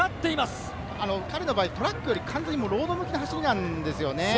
彼の場合、トラックより完全にロード向きの走りなんです。